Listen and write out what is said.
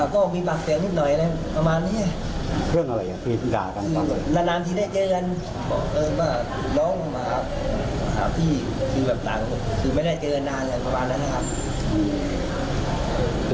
ก็มีปากเสียงนิดหน่อยอะไรประมาณเนี้ย